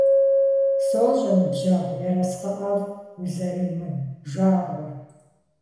СощӀэ, ныбжьэгъу, ерыскъы ӀэфӀ узэримыжагъуэр.